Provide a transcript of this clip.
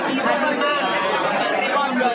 ini adalah anima dari wondo